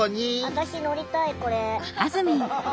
私乗りたいこれ。